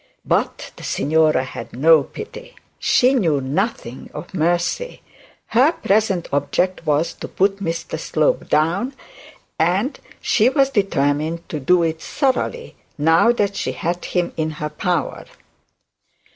But the signora had no pity; she knew nothing of mercy. Her present object was to put Mr Slope down, and she was determined to do it thoroughly, now that she had him in her power.